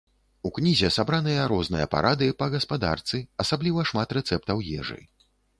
У кнізе сабраныя розныя парады па гаспадарцы, асабліва шмат рэцэптаў ежы.